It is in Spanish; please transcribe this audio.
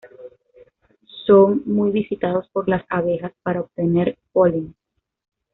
Son muy visitados por las abejas para obtener polen.